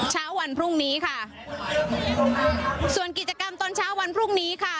เช้าวันพรุ่งนี้ค่ะส่วนกิจกรรมตอนเช้าวันพรุ่งนี้ค่ะ